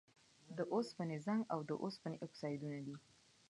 د اوسپنې زنګ د اوسپنې اکسایدونه دي.